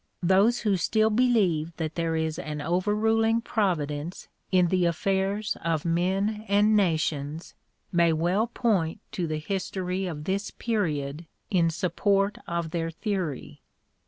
Those who still believe that there is an overruling Providence in the affairs of men and nations may well point to the history of this period in support (p. 061) of their theory.